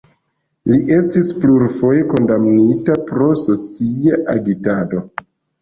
Li estis plurfoje kondamnita pro socia agitado.